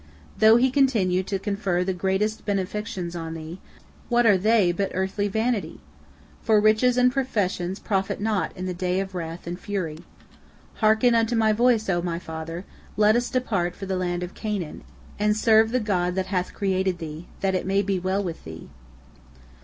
Though he continue to confer the greatest of benefactions upon thee, what are they but earthly vanity? for riches and possessions profit not in the day of wrath and fury. Hearken unto my voice, O my father, let us depart for the land of Canaan, and serve the God that hath created thee, that it may be well with thee."